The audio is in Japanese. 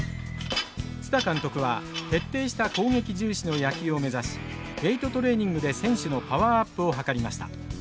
蔦監督は徹底した攻撃重視の野球を目指しウエイトトレーニングで選手のパワーアップを図りました。